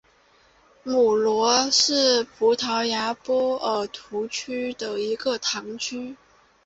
穆罗是葡萄牙波尔图区的一个堂区。